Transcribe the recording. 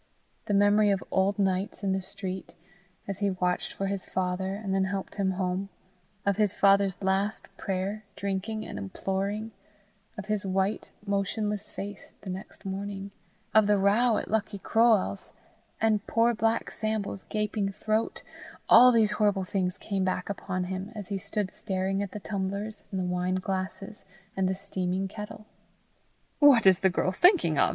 The memory of old nights in the street, as he watched for his father, and then helped him home; of his father's last prayer, drinking and imploring; of his white, motionless face the next morning; of the row at Lucky Croale's, and poor black Sambo's gaping throat all these terrible things came back upon him, as he stood staring at the tumblers and the wine glasses and the steaming kettle. "What is the girl thinking of!"